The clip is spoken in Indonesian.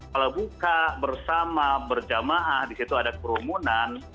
kalau buka bersama berjamaah di situ ada kerumunan